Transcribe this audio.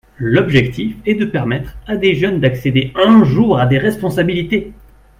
L’objectif est de permettre à des jeunes d’accéder un jour à des responsabilités.